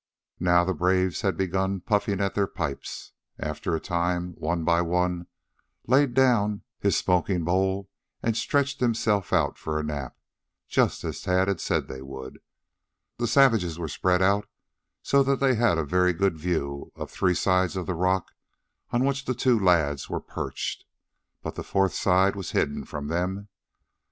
Now the braves had begun puffing at their pipes. After a time, one by one laid down his smoking bowl and stretched himself out for a nap, just as Tad had said they would. The savages were spread out so that they had a very good view of three sides of the rock on which the two lads were perched, but the fourth side was hidden from them.